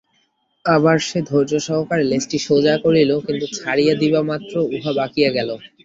আবার সে ধৈর্য সহকারে লেজটি সোজা করিল, কিন্তু ছাড়িয়া দিবামাত্র উহা বাঁকিয়া গেল।